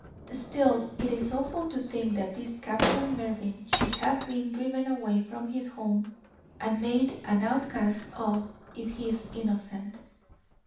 Still, it is awful to think that this Captain Mervyn should have been driven away from his home and made an outcast of if he is innocent.'